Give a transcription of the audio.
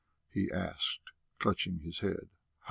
he asked, clutching his head.